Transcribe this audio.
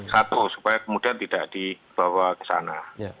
satu supaya kemudian tidak dibawa ke sana